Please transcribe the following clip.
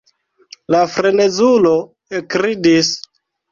La frenezulo ekridis.